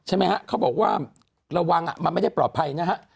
ใช่ไหมฮะเขาบอกว่าระวังมันไม่ได้ปลอดภัยนะฮะ